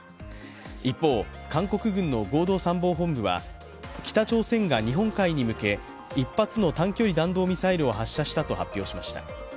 一方、韓国軍の合同参謀本部は北朝鮮が日本海に向け１発の短距離弾道ミサイルを発射したと発表しました。